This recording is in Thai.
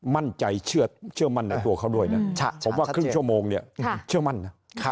มั่นใจเชื่อมั่นในตัวเขาด้วยนะผมว่าครึ่งชั่วโมงเนี่ยเชื่อมั่นนะ